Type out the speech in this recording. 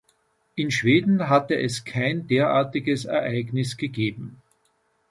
In Schweden hatte es kein derartiges Ereignis gegeben.